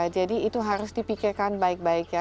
jadi itu harus dipikirkan baik baik ya